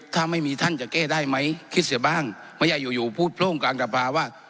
ถ้าไม่มีท่านจะแก้ได้ไหมคิดเสียบ้างไม่ใช่อยู่อยู่พูดโพร่งกลางสภาว่า